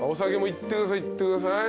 行ってください。